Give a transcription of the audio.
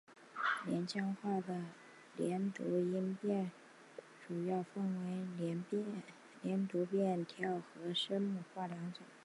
连江话的连读音变主要分为连读变调和声母类化两种。